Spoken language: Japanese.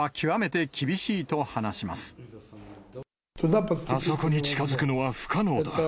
ただ、あそこに近づくのは不可能だ。